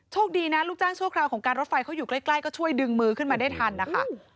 ดีนะลูกจ้างชั่วคราวของการรถไฟเขาอยู่ใกล้ก็ช่วยดึงมือขึ้นมาได้ทันนะคะ